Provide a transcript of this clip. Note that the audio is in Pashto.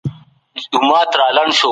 قبر ستاسو منزل دی.